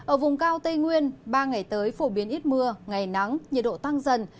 ở vùng cao tây nguyên ba ngày tới phổ biến ít mưa ngày nắng nhiệt độ tăng dần